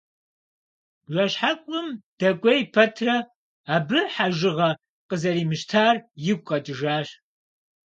Бжэщхьэӏум дэкӏуей пэтрэ, абы хьэжыгъэ къызэримыщтар игу къэкӏыжащ.